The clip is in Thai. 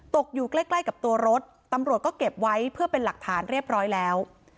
อยู่ใกล้ใกล้กับตัวรถตำรวจก็เก็บไว้เพื่อเป็นหลักฐานเรียบร้อยแล้ว